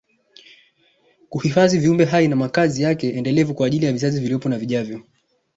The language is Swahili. kuhifadhi viumbe hai na makazi yake endelevu kwa ajili ya vizazi vilivyopo na vijavyo